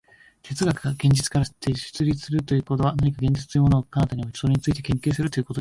哲学が現実から出立するということは、何か現実というものを彼方に置いて、それについて研究するということではない。